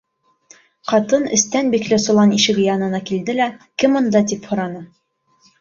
Ҡатын эстән бикле солан ишеге янына килде лә, кем унда, тип һораны.